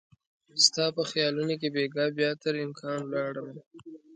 ستا په خیالونو کې بیګا بیا تر امکان ولاړ مه